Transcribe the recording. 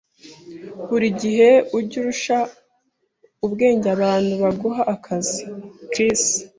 Buri gihe ujye urusha ubwenge abantu baguha akazi. (cris)